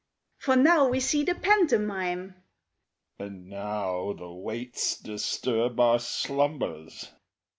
_) For now we see the pantomime, (_And now the waits disturb our slumbers.